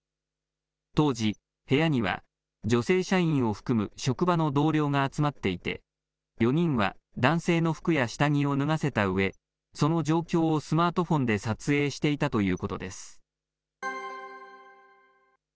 当時、部屋には女性社員を含む職場の同僚が集まっていて、４人は男性の服や下着を脱がせたうえ、その状況をスマートフォンで撮影していたということです。